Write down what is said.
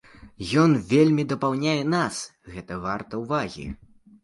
Ён вельмі дапаўняе нас, гэта варта ўвагі!